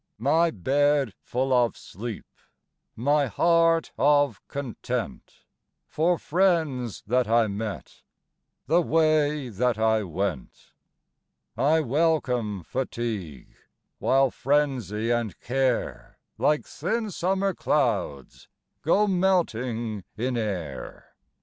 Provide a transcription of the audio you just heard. My bed full of sleep My heart of content For friends that I met The way that I went. I welcome fatigue While frenzy and care Like thin summer clouds Go melting in air.